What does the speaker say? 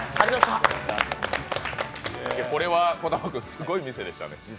これは児玉君、すごい店でしたね。